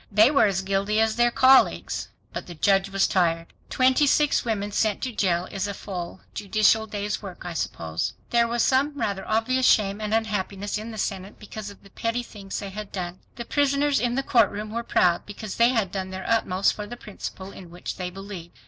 They were as guilty as their colleagues. But the judge was tired. Twenty six women sent to jail is a full judicial day's work, I suppose. There was some rather obvious shame and unhappiness in the Senate because of the petty thing they had done. The prisoners in the courtroom were proud because they had done their utmost for the principle in which they believed.